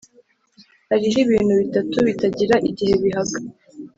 hariho ibintu bitatu bitagira igihe bihaga